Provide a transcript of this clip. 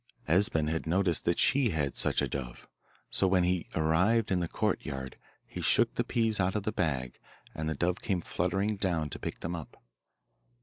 Esben had noticed that she had such a dove; so when he arrived in the courtyard he shook the peas out of the bag, and the dove came fluttering down to pick them up.